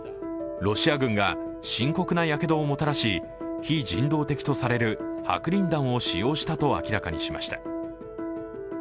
ロシア軍が深刻なやけどをもたらし、非人道的とされる白リン弾を使用したと明らかにしました。